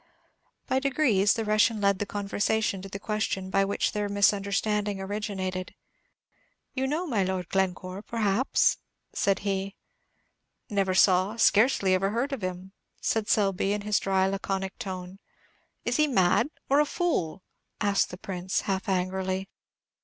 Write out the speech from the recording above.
By degrees the Russian led the conversation to the question by which their misunderstanding originated. "You know my Lord Glencore, perhaps?" said he. "Never saw, scarcely ever heard of him," said Selby, in his dry, laconic tone. "Is he mad, or a fool?" asked the Prince, half angrily.